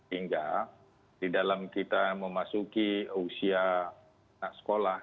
hingga di dalam kita memasuki usia anak sekolah